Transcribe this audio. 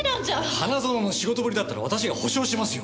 花園の仕事ぶりだったら私が保証しますよ。